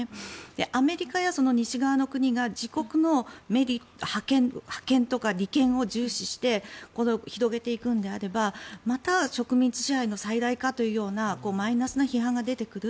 アメリカや西側の国が自国の覇権とか利権を重視してこれを広げていくのであればまた植民地支配の再来かというようなマイナスな批判が出てくる。